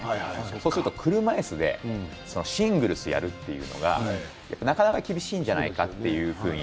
そうすると車いすでシングルスをやるというのがなかなか厳しいんじゃないかと。